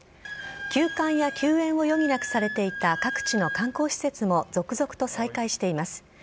休館や休園を余儀なくされていた各地の観光施設も、続々と再開しています。